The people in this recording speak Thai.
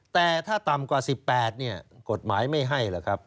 แต่ถ้าต่ำกว่า๑๘เนี่ยกฎหมายไม่ให้หรอกครับ